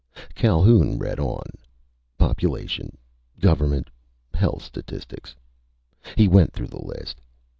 Calhoun read on. Population ... government ... health statistics.... He went through the list.